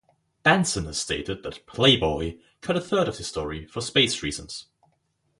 Benson has stated that "Playboy" cut a third of the story for space reasons.